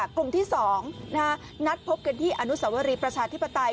กลุ่มที่๒นัดพบกันที่อนุสวรีประชาธิปไตย